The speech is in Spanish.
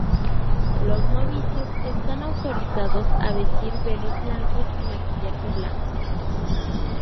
Los novicios están autorizados a vestir velos blancos y maquillaje blanco.